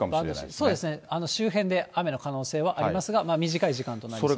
周辺で雨の可能性はありますが、短い時間となりそうです。